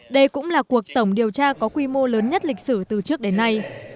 đây cũng là cuộc tổng điều tra có quy mô lớn nhất lịch sử từ trước đến nay